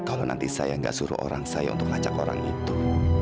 kalau nanti saya nggak suruh orang saya untuk ngajak orang itu